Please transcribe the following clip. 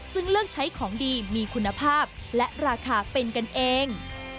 ซึ่งเลือกใช้ของดีมีคุณภาพและราคาเป็นกันเอง